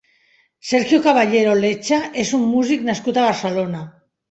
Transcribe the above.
Sergio Caballero Lecha és un músic nascut a Barcelona.